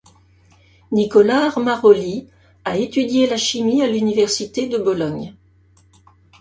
Nicola Armaroli a étudié la chimie à l'université de Bologne.